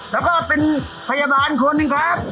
แล้วก็เป็นพยาบาลคนหนึ่งครับ